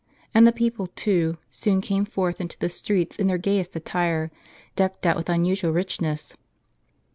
And the people, too, soon came forth into the streets in their gayest attire, decked out with unusual richness.